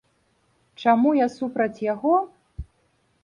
Чаму я супраць яго?